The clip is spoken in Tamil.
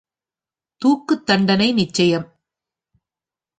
தூக்குத் தண்டனை நிச்சயம்.